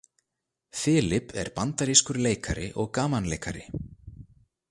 Filip er bandarískur leikari og gamanleikari.